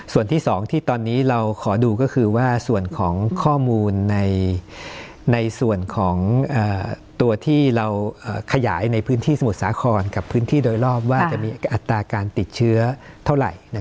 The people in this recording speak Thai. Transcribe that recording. ส่วนที่๒ที่ตอนนี้เราขอดูก็คือว่าส่วนของข้อมูลในส่วนของตัวที่เราขยายในพื้นที่สมุทรสาครกับพื้นที่โดยรอบว่าจะมีอัตราการติดเชื้อเท่าไหร่